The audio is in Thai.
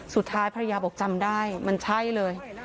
สุดท้ายภรรยาบอกจำได้มันใช่เลย